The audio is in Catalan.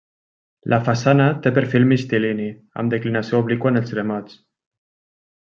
La façana té perfil mixtilini amb declinació obliqua en els remats.